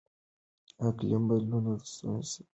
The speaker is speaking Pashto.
اقلیم بدلون دا ستونزه زیاته کړې ده.